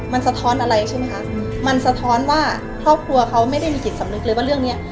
มันสะท้อนอะไรใช่ไหมคะมันสะท้อนว่าครอบครัวเขาไม่ได้มีจิตสำนึกเลยว่าเรื่องนี้